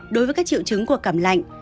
đối với các triệu chứng của cảm lạnh